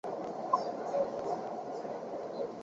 而格鲁吉亚正教会则使用拜占庭礼传统。